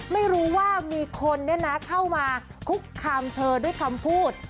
ไม่รู้ว่ามีคนเข้ามาคุกคามเธอด้วยคำพูด